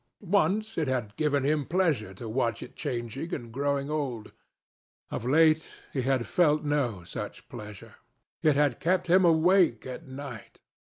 Once it had given him pleasure to watch it changing and growing old. Of late he had felt no such pleasure. It had kept him awake at night.